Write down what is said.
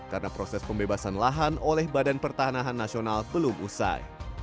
karena proses pembebasan lahan oleh badan pertahanan nasional belum usai